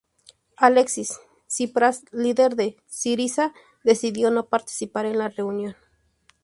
Alexis Tsipras, líder de Syriza, decidió no participar en la reunión.